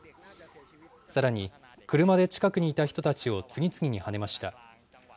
さらに、車で近くにいた人たちを次々にはねました。